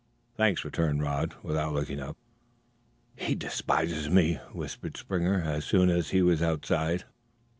"Thanks," returned Rod, without looking up. "He despises me," whispered Springer, as soon as he was outside.